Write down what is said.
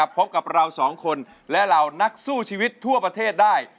พบกับเราสองคนและเหล่านักสู้ชีวิตทั่วประเทศได้